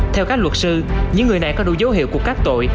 theo các luật sư những người này có đủ dấu hiệu của các tội